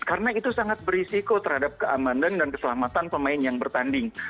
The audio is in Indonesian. karena itu sangat berisiko terhadap keamanan dan keselamatan pemain yang bertanding